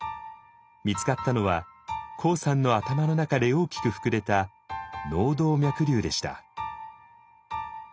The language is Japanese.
見つかったのはＫＯＯさんの頭の中で大きく膨れた脳動脈瘤でした。